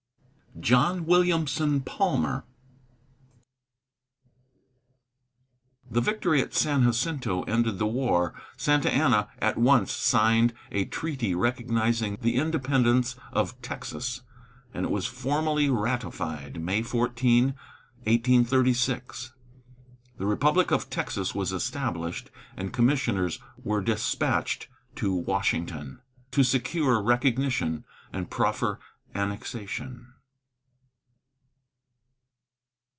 JOHN WILLIAMSON PALMER. The victory at San Jacinto ended the war. Santa Anna at once signed a treaty recognizing the independence of Texas, and it was formally ratified May 14, 1836. The Republic of Texas was established, and commissioners were dispatched to Washington to secure recognition and proffer annexation.